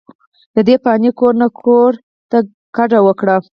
ددې فاني کور نه ګور ته کډه اوکړه،